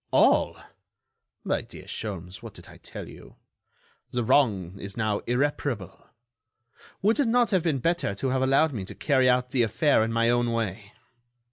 "All! my dear Sholmes, what did I tell you? The wrong is now irreparable. Would it not have been better to have allowed me to carry out the affair in my own way?